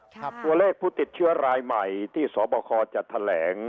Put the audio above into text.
ตัวเลขผู้ติดเชื้อรายใหม่ที่สบคจะแถลง